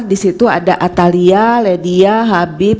di situ ada atalia ledia habib